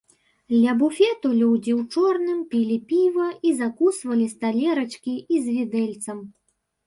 Ля буфету людзі ў чорным пілі піва і закусвалі з талерачкі і з відэльцам.